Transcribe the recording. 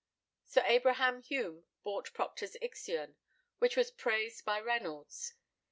Sir Abraham Hume bought Procter's "Ixion," which was praised by Reynolds.